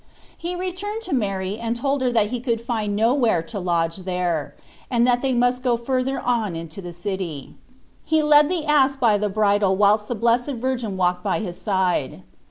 He returned to Mary and told her that he could find nowhere to lodge there, and that they must go on further into the city. He led the ass by the bridle whilst the Blessed Virgin walked by his side.